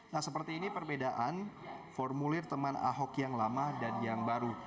nah seperti ini perbedaan formulir teman ahok yang lama dan yang baru